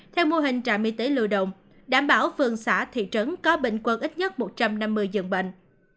theo mô hình trạm y tế lưu động đảm bảo vườn xã thị trấn có bệnh quân ít nhất một trăm năm mươi dân bệnh